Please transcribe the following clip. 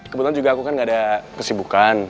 kebetulan juga aku kan gak ada kesibukan